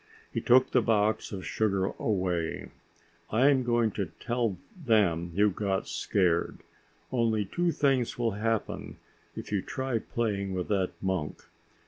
He took the box of sugar away. "I'm going to tell them you got scared. Only two things will happen if you try playing with that monk.